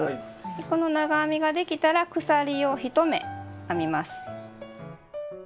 この長編みができたら鎖を１目編みます。